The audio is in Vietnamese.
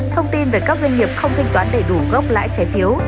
thông tin về các doanh nghiệp không thanh toán đầy đủ gốc lãi trái phiếu